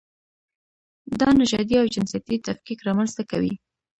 دا نژادي او جنسیتي تفکیک رامنځته کوي.